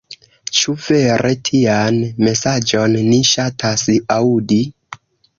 Ĉu vere tian mesaĝon ni ŝatas aŭdi?